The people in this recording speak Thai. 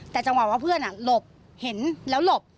แต่จังหวะว่าเพื่อนหลบเห็นแล้วหลบ